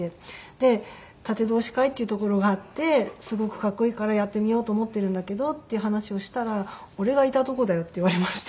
で殺陣同志会っていうところがあってすごくかっこいいからやってみようと思っているんだけどっていう話をしたら「俺がいたとこだよ」って言われまして。